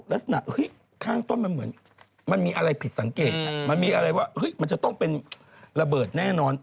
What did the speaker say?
ลักษณะข้างต้นมันเหมือนมันมีอะไรผิดสังเกตมันมีอะไรว่ามันจะต้องเป็นระเบิดแน่นอน